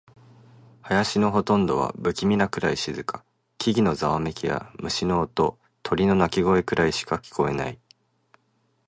林のほとんどは不気味なくらい静か。木々のざわめきや、虫の音、鳥の鳴き声くらいしか聞こえない。